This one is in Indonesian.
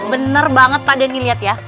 bener banget pak denny lihat ya